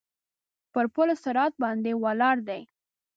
پر پل صراط باندې ولاړ دی.